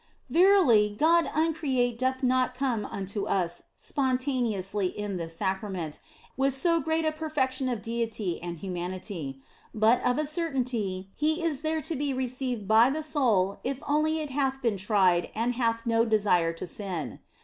Verily, God uncreate doth not come unto us spon taneously in this Sacrament, with so great a perfection of Deity and humanity ; but of a certainty He is there to be received by the soul if only it hath been tried and hath no desire to sin.